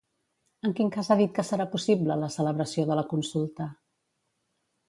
En quin cas ha dit que serà possible la celebració de la consulta?